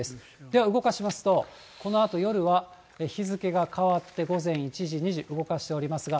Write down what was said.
では、動かしますと、このあと夜は日付が変わって午前１時、２時、動かしておりますが。